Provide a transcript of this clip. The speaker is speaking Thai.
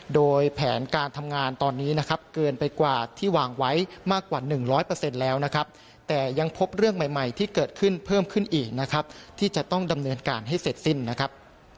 โดยแผนการทำงานตอนนี้นะครับเกินไปกว่าที่วางไว้มากกว่า๑๐๐แล้วนะครับแต่ยังพบเรื่องใหม่ที่เกิดขึ้นเพิ่มขึ้นอีกนะครับที่จะต้องดำเนินการให้เสร็จสิ้นนะครับ